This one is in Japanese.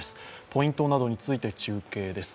ポイントなどについて中継です。